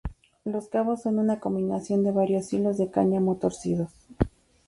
Los cabos son una combinación de varios hilos de cáñamo torcidos.